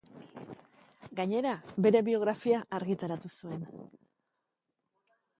Gainera, bere biografia argitaratu zuen.